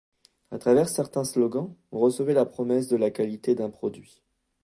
À travers certains slogans on recevait la promesse de la qualité d'un produit.